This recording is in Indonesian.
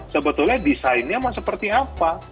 sebetulnya desainnya mau seperti apa